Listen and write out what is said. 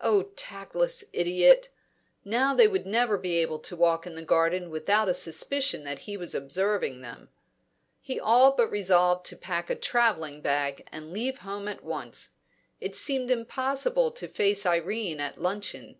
Oh, tactless idiot! Now they would never be able to walk in the garden without a suspicion that he was observing them. He all but resolved to pack a travelling bag and leave home at once. It seemed impossible to face Irene at luncheon.